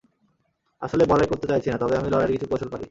আসলে, বড়াই করতে চাইছি না, তবে আমি লড়াইয়ের কিছু কৌশল পারি।